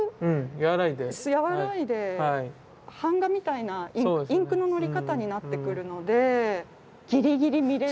和らいで版画みたいなインクののり方になってくるのでギリギリ見れる。